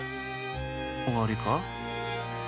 おわりか？